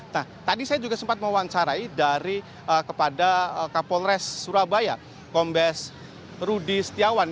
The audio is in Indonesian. nah tadi saya juga sempat mewawancarai dari kepada kapolres surabaya kombes rudy setiawan